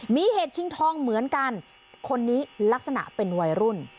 มีเหตุชิงทองเหมือนกันคนนี้ลักษณะเป็นวัยรุ่น